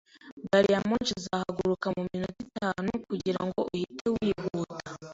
Gari ya moshi izahaguruka mu minota itanu kugirango uhite wihuta.